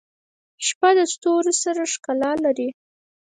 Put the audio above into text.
• شپه د ستورو سره ښکلا لري.